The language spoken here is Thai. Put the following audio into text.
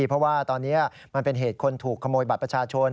เพราะว่าตอนนี้มันเป็นเหตุคนถูกขโมยบัตรประชาชน